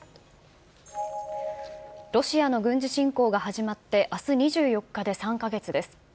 ロシアの軍事侵攻が始まってあす２４日で３か月です。